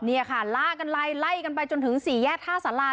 นี่ค่ะล่ากันไล่ไล่กันไปจนถึงสี่แยกท่าสารา